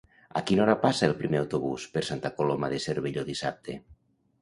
A quina hora passa el primer autobús per Santa Coloma de Cervelló dissabte?